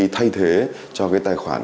thay thế cho cái tài khoản